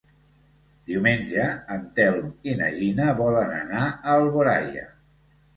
Diumenge en Telm i na Gina volen anar a Alboraia.